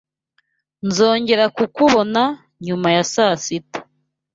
Nzongera kukubona nyuma ya saa sita.